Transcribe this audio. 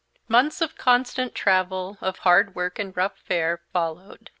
Months of constant travel, of hard work and rough fare, followed.